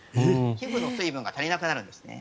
皮膚の水分が足りなくなるんですね。